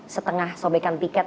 setengah sobekan tiket